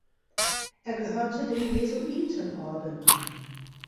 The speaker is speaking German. Er gehörte dem Jesuitenorden an.